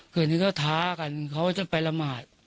คืนนี้ก็ท้ากันเขาจะไปละหมาด